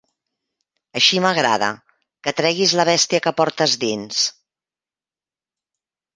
Així m'agrada, que treguis la bèstia que portes dins.